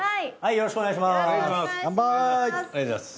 よろしくお願いします。